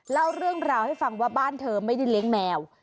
เล่าเรื่องราวให้ฟังว่าบ้านเธอไม่ได้เลี้ยงแมว